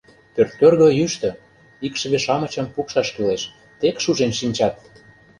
Пӧрткӧргӧ йӱштӧ, икшыве-шамычым пукшаш кӱлеш — тек шужен шинчат!